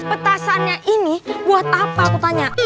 petasannya ini buat apa aku tanya